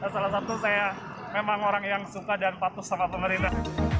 salah satu saya memang orang yang suka dan patuh sama pemerintah